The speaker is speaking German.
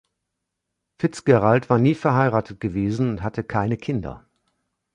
Fitzgerald war nie verheiratet gewesen und hatte keine Kinder.